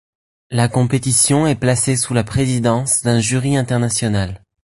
La compétition est placée sous la présidence d’un jury international.